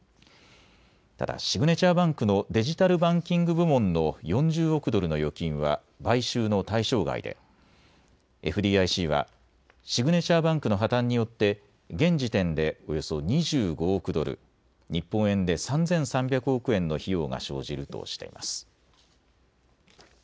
ただシグネチャーバンクのデジタルバンキング部門の４０億ドルの預金は買収の対象外でＦＤＩＣはシグネチャーバンクの破綻によって現時点でおよそ２５億ドル、日本円で３３００億円の費用が生じるとしています。